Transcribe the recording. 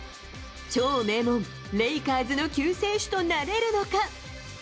超名門、レイカーズの救世主となれるのか。